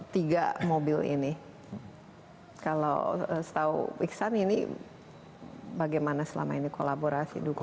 tiga mobil ini kalau setahu iksan ini bagaimana selama ini kolaborasi dukungan